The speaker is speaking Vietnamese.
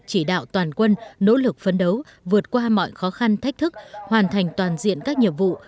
chỉ đạo toàn quân nỗ lực phấn đấu vượt qua mọi khó khăn thách thức hoàn thành toàn diện các nhiệm vụ